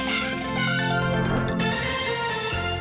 สวัสดีค่ะ